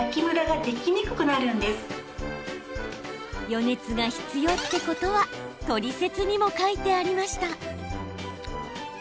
予熱が必要ってことはトリセツにも書いてありました。